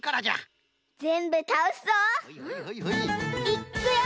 いっくよ！